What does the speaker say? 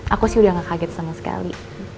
aku sih udah gak kaget sama sekali